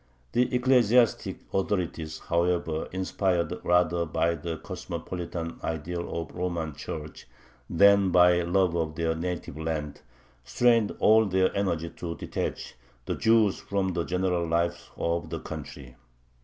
The ecclesiastic authorities, however, inspired rather by the cosmopolitan ideals of the Roman Church than by love of their native land, strained all their energies to detach the Jews from the general life of the country.